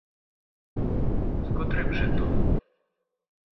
З котрим же то?